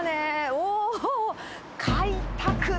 おー、開拓。